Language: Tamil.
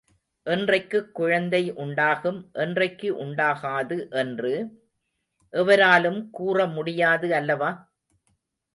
என்றைக்குக் குழந்தை உண்டாகும், என்றைக்கு உண்டாகாது என்று எவராலும் கூற முடியாது அல்லவா?